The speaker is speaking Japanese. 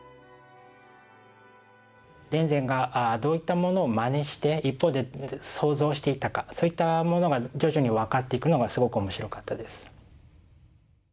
田善がどういったものをまねして一方で創造していたかそういったものが徐々に分かっていくのがすごく面白かったです。